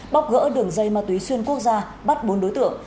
bóc gỡ đường dây ma túy xuyên quốc gia bắt bốn đối tượng